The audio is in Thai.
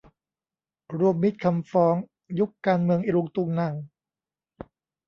รวมมิตรคำฟ้อง ยุคการเมืองอิรุงตุงนัง